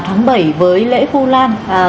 tháng bảy với lễ vu lan